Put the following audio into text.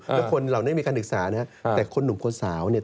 แล้วคนเหล่านี้มีการศึกษานะครับแต่คนหนุ่มคนสาวเนี่ย